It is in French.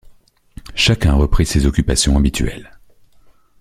Chacun reprit ses occupations habituelles.